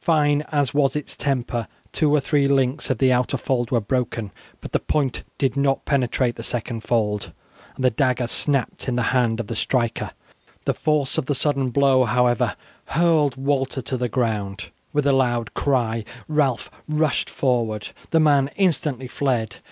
Fine as was its temper, two or three links of the outer fold were broken, but the point did not penetrate the second fold, and the dagger snapped in the hand of the striker. The force of the sudden blow, however, hurled Walter to the ground. With a loud cry Ralph rushed forward. The man instantly fled.